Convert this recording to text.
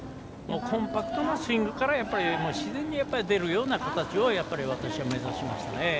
コンパクトなスイングから自然に出るような形を私は目指しましたね。